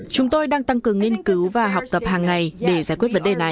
chúng tôi đang tăng cường nghiên cứu và học tập hàng ngày để giải quyết vấn đề này